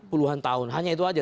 puluhan tahun hanya itu saja